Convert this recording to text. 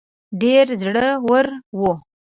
ډېر زړه ور وو.